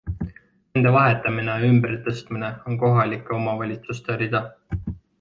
Nende vahetamine ja ümber tõstmine on kohalike omavalitsuste rida.